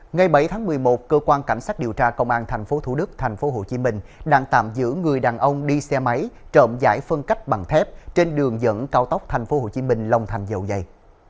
ngày bảy tháng một mươi một cơ quan cảnh sát điều tra công an tp thủ đức tp hcm đang tạm giữ người đàn ông đi xe máy trộm giải phân cách bằng thép trên đường dẫn cao tốc tp hcm long thành dầu dây